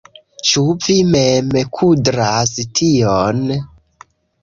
Ĉu vi mem kudras tion?